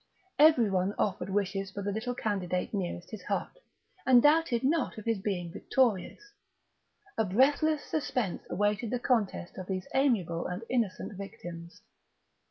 Every one offered wishes for the little candidate nearest his heart, and doubted not of his being victorious; a breathless suspense awaited the contest of these amiable and innocent victims.